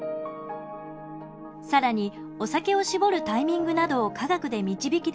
更にお酒を搾るタイミングなどを科学で導き出しました。